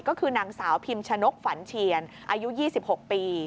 ก็คือนางสาวพิมชะนกฝันเชียนอายุ๒๖ปี